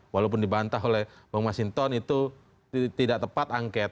walaupun dibantah oleh bang masinton itu tidak tepat angket